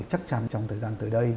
chắc chắn trong thời gian tới đây